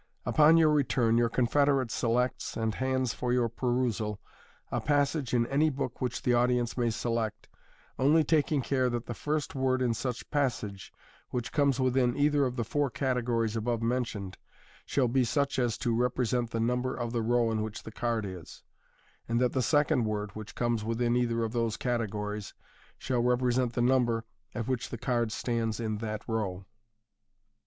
Upou your return your confederate selects and hands for your perusal a passage in any book which the audience may select, only taking care that the 6rst word in such passage which comes within either of the four cate gories above mentioned, shall be such as to represent the number of the row in which the card is, and that the second word which comes within either of those categories shall represent the number at which the card stands in that row.